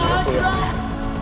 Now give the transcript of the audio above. sudah masuknya mulia azan